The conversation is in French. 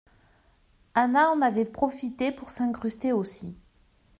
Anna en avait profité pour s’incruster aussi.